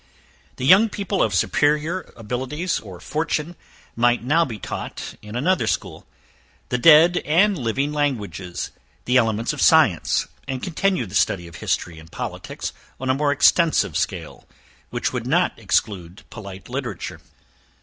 The young people of superior abilities, or fortune, might now be taught, in another school, the dead and living languages, the elements of science, and continue the study of history and politics, on a more extensive scale, which would not exclude polite literature.